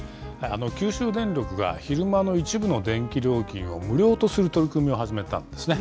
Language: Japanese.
九州電力が昼間の一部の電気料金を無料とする取り組みを始めたんですね。